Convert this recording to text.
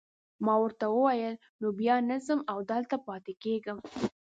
ما وویل نو بیا نه ځم او دلته پاتې کیږم.